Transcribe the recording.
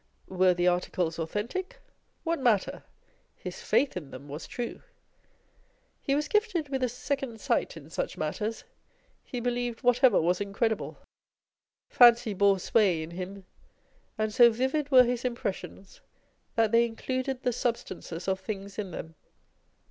Were the articles authentic? What matter? â€" his faith in thorn was true. He was gifted with a second sight in such matters : he believed whatever was incredible. Fancy bore sway in him ; and sp vivid were his impressions, that they included the substances of things in them.